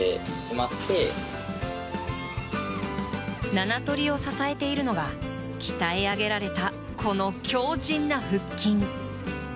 ７トリを支えているのが鍛え上げられたこの強靭な腹筋。